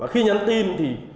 khi nhắn tin thì